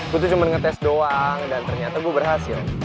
gue tuh cuma ngetes doang dan ternyata gue berhasil